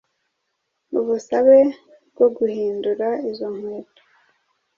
ubusabe bwo guhindura izo nkweto,